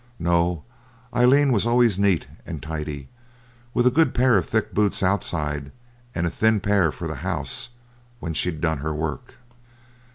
No, Aileen was always neat and tidy, with a good pair of thick boots outside and a thin pair for the house when she'd done her work.